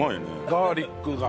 ガーリックが。